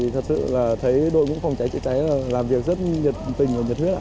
thật sự là thấy đội ngũ phòng cháy chữa cháy làm việc rất nhiệt tình và nhiệt huyết